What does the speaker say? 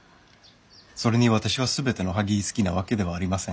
それに私は全てのおはぎ好きなわけではありません。